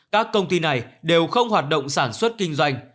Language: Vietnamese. các công ty này đều không hoạt động sản xuất kinh doanh